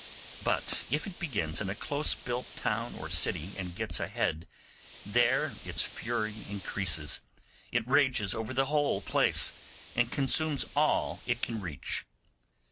But if it begins in a close built town or city and gets a head, there its fury increases: it rages over the whole place, and consumes all it can reach.